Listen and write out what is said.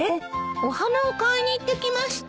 お花を買いに行ってきました。